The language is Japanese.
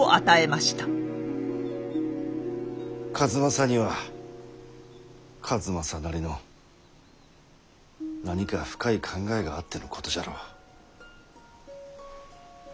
数正には数正なりの何か深い考えがあってのことじゃろう。